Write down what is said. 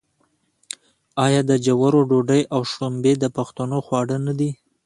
آیا د جوارو ډوډۍ او شړومبې د پښتنو خواړه نه دي؟